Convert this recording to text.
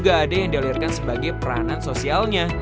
juga ada yang dialirkan sebagai peranan sosialnya